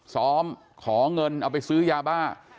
ซ้อมขอเงินเอาไปซื้อยาบ้า